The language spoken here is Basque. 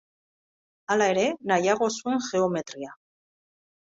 Hala ere, nahiago zuen geometria.